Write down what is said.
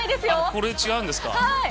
これ、違うんですか？